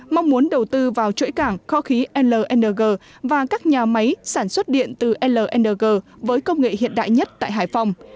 mong muốn đầu tư vào chuỗi cảng kho khí lng và các nhà máy sản xuất điện từ lng với công nghệ hiện đại nhất tại hải phòng